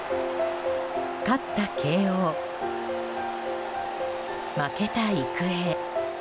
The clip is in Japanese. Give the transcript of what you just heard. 勝った慶応、負けた育英。